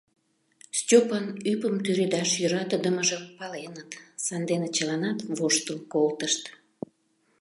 Стёпан ӱпым тӱредаш йӧратыдымыжым паленыт, сандене чыланат воштыл колтышт.